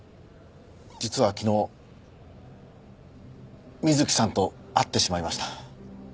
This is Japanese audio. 実は昨日美月さんと会ってしまいました。